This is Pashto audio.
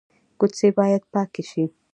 کوڅې باید پاکې شي